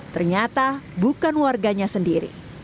ternyata bukan warganya sendiri